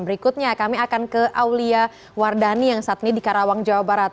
berikutnya kami akan ke aulia wardani yang saat ini di karawang jawa barat